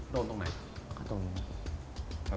ตรงไหนตรงนี้